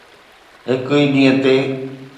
هڪ ئي ڏينهن تي